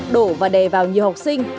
đổ và đè vào nhiều học sinh